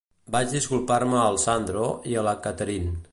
Vaig disculpar-me al Sandro i a la Catherine.